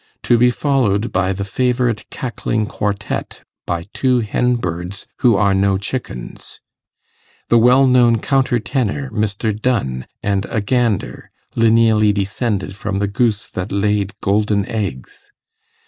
To be followed by The favourite Cackling Quartette, by Two Hen birds who are no chickens! The well known counter tenor, Mr. Done, and a Gander, lineally descended from the Goose that laid golden eggs!